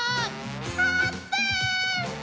あーぷん！